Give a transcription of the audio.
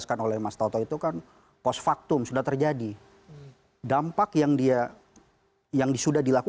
anda sudah sudah dis mercuriya